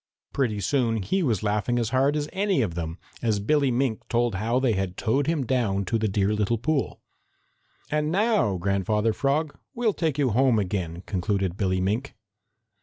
Pretty soon he was laughing as hard as any of them, as Billy Mink told how they had towed him down to the dear little pool. "And now, Grandfather Frog, we'll take you home again," concluded Billy Mink.